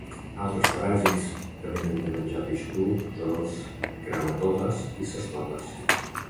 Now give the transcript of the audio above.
Altres paràsits que vénen de menjar peix cru són els trematodes i cestodes.